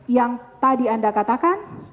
yang tadi anda katakan